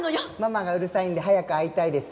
ママがうるさいんで早く会いたいです。